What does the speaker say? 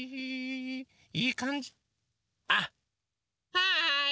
はい！